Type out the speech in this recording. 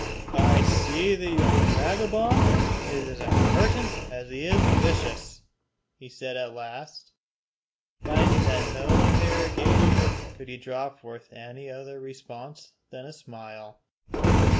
"I see the young vagabond is as impertinent as he is vicious," he said at last, finding that to no interrogation could he draw forth any other response than a smile.